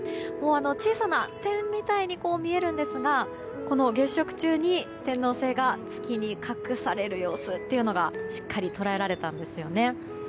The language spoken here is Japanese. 小さな点みたいに見えるんですがこの月食中に天王星が月に隠される様子というのがしっかり捉えられたんですよね。